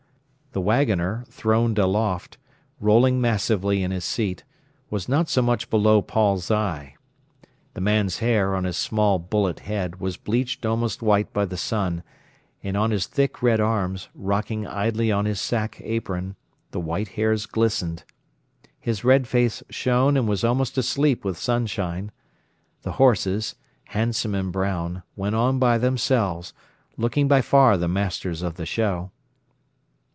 The waggoner, throned aloft, rolling massively in his seat, was not so much below Paul's eye. The man's hair, on his small, bullet head, was bleached almost white by the sun, and on his thick red arms, rocking idly on his sack apron, the white hairs glistened. His red face shone and was almost asleep with sunshine. The horses, handsome and brown, went on by themselves, looking by far the masters of the show.